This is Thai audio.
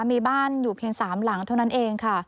มีบ้านอยู่เพียง๓หลังเท่านั้นเองค่ะ